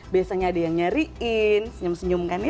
biasanya ada yang nyariin senyum senyum kan ini